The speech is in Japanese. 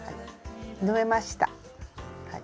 縫えました。